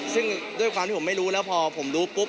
ซึ่งด้วยความที่ผมไม่รู้แล้วพอผมรู้ปุ๊บ